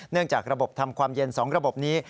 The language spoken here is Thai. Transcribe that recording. เนื่องจากระบบทำความเย็นสองระบบนี้